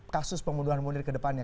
kasus pembunuhan munir ke depannya